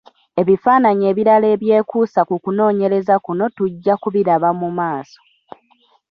Ebifaananyi ebirala ebyekuusa ku kunoonyereza kuno tujja kubiraba mu maaso.